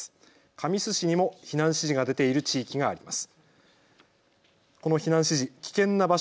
神栖市にも避難指示が出ている地域があります。